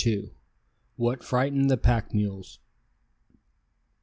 WHAT FRIGHTENED THE PACK MULES.